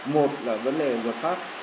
một là vấn đề luật pháp